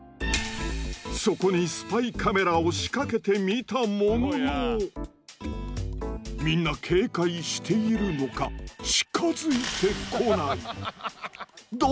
そこにスパイカメラを仕掛けてみたもののみんな警戒しているのか近づいてこない。